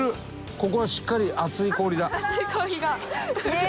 ここはしっかり厚い氷だ。